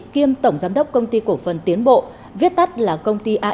kiêm tổng giám đốc công ty aic